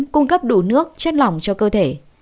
cung cấp đủ nước chất lỏng cho cơ thể